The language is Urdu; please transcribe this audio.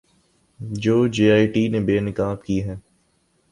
جو جے آئی ٹی نے بے نقاب کی ہیں